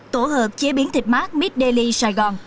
tổ hợp chế biến thịt mát mid daily sài gòn